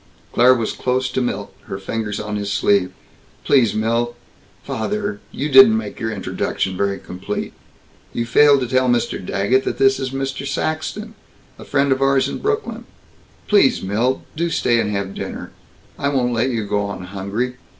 Claire was close to Milt, her fingers on his sleeve. "Please, Milt! Father! You didn't make your introduction very complete. You failed to tell Mr. Daggett that this is Mr. Saxton, a friend of ours in Brooklyn. Please, Milt, do stay and have dinner. I won't let you go on hungry.